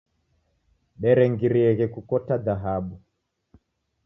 Derengirieghe kukota dhahabu.